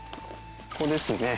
ここですね。